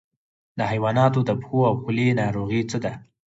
د حیواناتو د پښو او خولې ناروغي څه ده؟